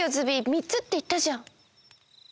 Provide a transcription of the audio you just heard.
３つっていったじゃん。